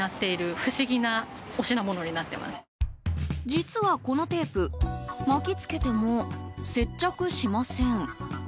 実は、このテープ巻きつけても接着しません。